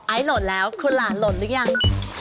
ไอล์โหลดแล้วคุณหลานโหลดหรือยัง